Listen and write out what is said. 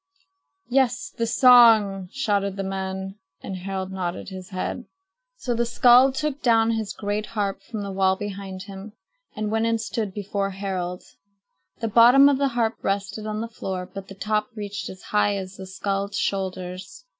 "Yes, the song!" shouted the men, and Harald nodded his head. So the skald took down his great harp from the wall behind him and went and stood before Harald. The bottom of the harp rested on the floor, but the top reached as high as the skald's shoulders.